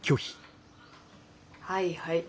はいはい。